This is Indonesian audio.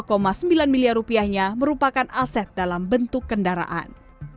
eko mencapai lima belas tujuh miliar di mana dua sembilan miliar rupiahnya merupakan aset dalam bentuk kendaraan